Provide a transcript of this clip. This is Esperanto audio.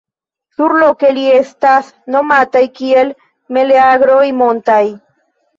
Surloke ili estas nomataj kiel meleagroj “montaj”.